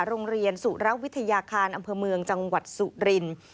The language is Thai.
โรงเรียนสุรวิทยาคารอำเภอเมืองจังหวัดสุรินทร์